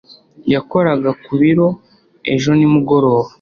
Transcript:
yakoraga ku biro ejo nimugoroba